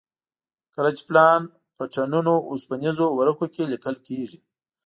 کله چې پلان په ټنونو اوسپنیزو ورقو کې لیکل کېږي.